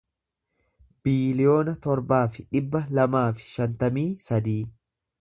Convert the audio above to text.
biiliyoona torbaa fi dhibba lamaa fi shantamii sadii